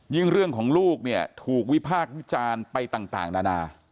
ยึ่งเรื่องของลูกถูกวิพากส์วิจารณ์ไปต่างนา